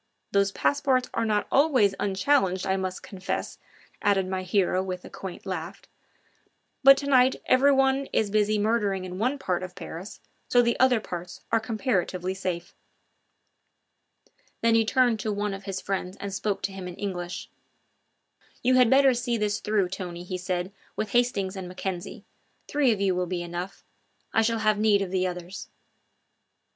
Those passports are not always unchallenged, I must confess," added my hero with a quaint laugh; "but to night everyone is busy murdering in one part of Paris, so the other parts are comparatively safe." Then he turned to one of his friends and spoke to him in English: "You had better see this through, Tony," he said, "with Hastings and Mackenzie. Three of you will be enough; I shall have need of the others."